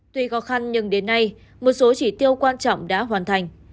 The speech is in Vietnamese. tuy khó khăn nhưng đến nay một số chỉ tiêu quan trọng đã hoàn thành